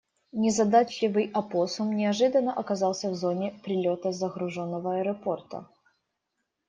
Незадачливый опоссум неожиданно оказался в зоне прилета загруженного аэропорта.